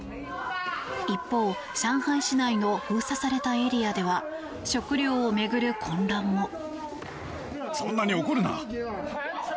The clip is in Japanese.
一方、上海市内の封鎖されたエリアでは食料を巡る混乱も。